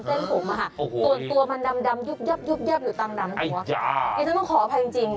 เองจะต้องขออภัยจริง